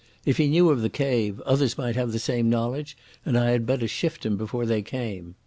If he knew of the cave, others might have the same knowledge, and I had better shift him before they came.